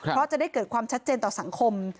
เพราะจะได้เกิดความชัดเจนต่อสังคม